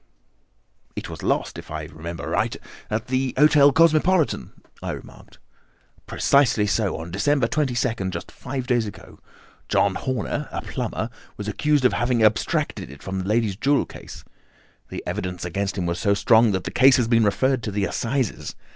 "It was lost, if I remember aright, at the Hotel Cosmopolitan," I remarked. "Precisely so, on December 22nd, just five days ago. John Horner, a plumber, was accused of having abstracted it from the lady's jewel case. The evidence against him was so strong that the case has been referred to the Assizes.